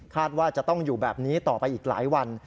ว่าจะต้องอยู่แบบนี้ต่อไปอีกหลายวัน